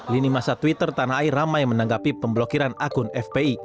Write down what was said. lini masa twitter tanai ramai menanggapi pemblokiran akun fpi